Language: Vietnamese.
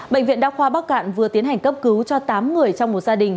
bệnh viện đa khoa bắc cạn vừa tiến hành cấp cứu cho tám người trong một gia đình